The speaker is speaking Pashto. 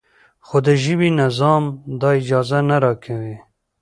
خو د ژبې نظام دا اجازه نه راکوي.